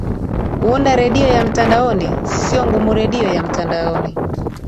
kuunda redio ya mtandaoni siyo ngumuredio ya mtandaoni